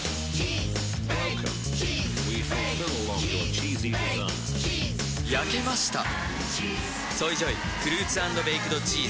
チーズ！焼けました「ＳＯＹＪＯＹフルーツ＆ベイクドチーズ」